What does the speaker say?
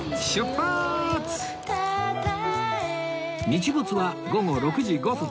日没は午後６時５分